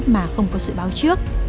mà không có sự báo trước